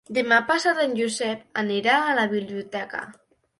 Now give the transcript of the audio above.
Demà passat en Josep anirà a la biblioteca.